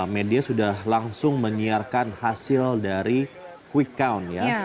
media sudah langsung menyiarkan hasil dari quick count ya